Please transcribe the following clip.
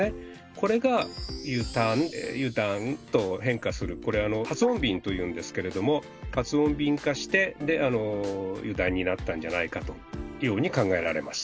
これが「ゆたん」「ゆだん」と変化するこれはつ音便というんですけれどもはつ音便化してで「油断」になったんじゃないかというように考えられます。